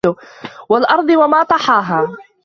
وَالأَرضِ وَما طَحاها